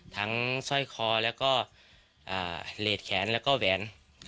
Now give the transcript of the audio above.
ทั้งสร้อยคอและเลสแขนและแหวน